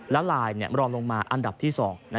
และลายรองลงมาอันดับที่๒